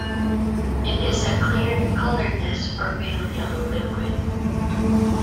It is a clear, colourless or pale yellow liquid.